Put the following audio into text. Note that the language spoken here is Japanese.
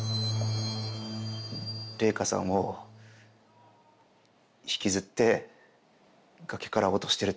玲香さんを引きずって崖から落としてるところを。